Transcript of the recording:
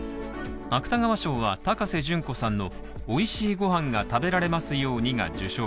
芥川賞は、高瀬隼子さんの「おいしいごはんが食べられますように」が受賞。